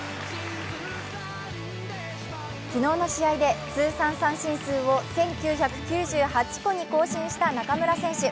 昨日の試合で通算三振数を１９９８個に更新した中村選手。